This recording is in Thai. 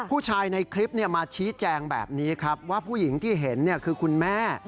ผู้ชายในคลิปมาชี้แจงแบบนี้ครับว่าผู้หญิงที่เห็นคือคุณแม่